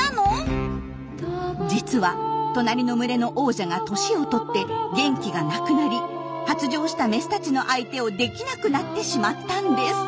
実は隣の群れの王者が年を取って元気がなくなり発情したメスたちの相手をできなくなってしまったんです。